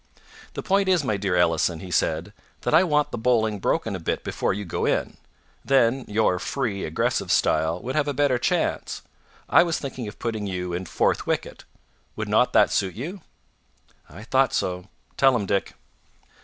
"The point is, my dear Ellison," he said, "that I want the bowling broken a bit before you go in. Then your free, aggressive style would have a better chance. I was thinking of putting you in fourth wicket. Would not that suit you?" "I thought so. Tell him, Dick."